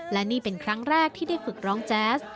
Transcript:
และนี่เป็นครั้งแรกที่ได้ฝึกร้องแจ๊ส